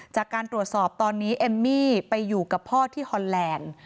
จากการตรวจสอบตอนนี้เอมมี่ไปอยู่กับพ่อที่ฮอนแลนด์